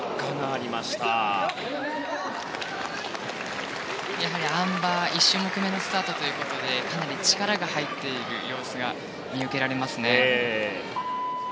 あん馬、１種目めのスタートということでかなり力が入っている様子が見受けられますね。